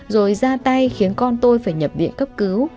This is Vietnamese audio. rồi ra tay khiến con tôi phải nhập viện cấp cứu